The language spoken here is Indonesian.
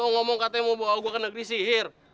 ngomong katanya mau bawa gue ke negeri sihir